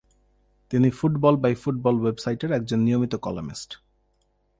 তিনি football by football ওয়েবসাইটের একজন নিয়মিত কলামিস্ট।